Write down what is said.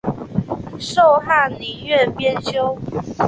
授翰林院编修。